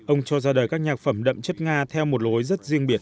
ông cho ra đời các nhạc phẩm đậm chất nga theo một lối rất riêng biệt